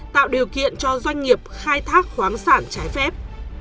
tạo điều kiện cho doanh nghiệp khai thác khoáng sản trái phép